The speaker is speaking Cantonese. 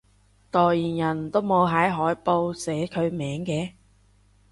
代言人都冇喺海報寫佢名嘅？